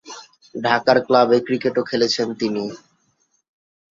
ঢাকার ক্লাব ক্রিকেটেও খেলেছেন তিনি।